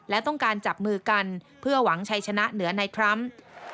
และต้องการจับมือกันเพื่อหวังชัยชนะเหนือในทรัมป์